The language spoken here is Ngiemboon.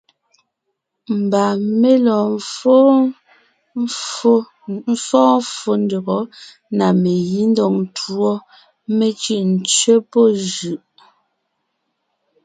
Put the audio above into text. Mbà mé lɔɔn fɔ́ɔn ffó ndÿɔgɔ́ na megǐ ńdɔg ńtuɔ, mé cʉ́ʼ ńtsẅé pɔ́ jʉʼ.